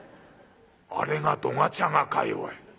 「あれがどがちゃがかよおい。